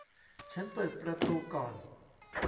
ฉันเปิดประตูก่อน